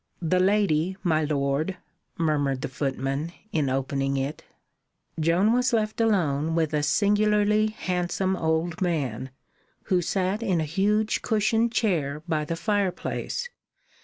"The lady, my lord," murmured the footman, in opening it. Joan was left alone with a singularly handsome old man, who sat in a huge cushioned chair by the fireplace.